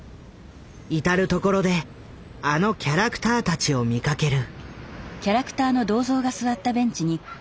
至る所であのキャラクターたちを見かける。